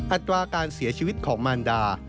อัตราการเสียชีวิตของมารดา